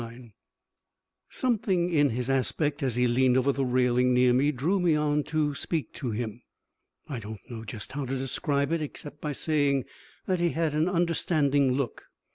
III Something in his aspect as he leaned over the railing near me drew me on to speak to him. I don't know just how to describe it except by saying that he had an understanding look.